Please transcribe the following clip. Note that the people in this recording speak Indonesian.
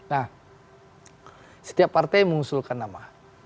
nah setiap partai mengusulkan nama